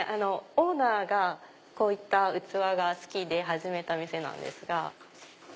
オーナーがこういった器が好きで始めた店なんですが。